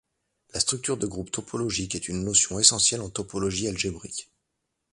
La structure de groupe topologique est une notion essentielle en topologie algébrique.